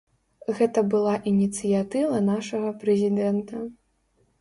Гэта была ініцыятыва нашага прэзідэнта.